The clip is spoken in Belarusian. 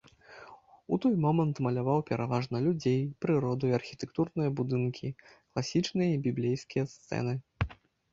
У той момант маляваў пераважна людзей, прыроду і архітэктурныя будынкі, класічныя і біблейскія сцэны.